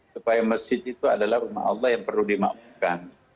supaya masjid itu adalah rumah allah yang perlu dimakmurkan